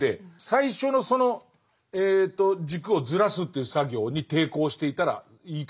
最初のその軸をずらすという作業に抵抗していたらいかないですもんね。